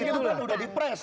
itu kan udah di press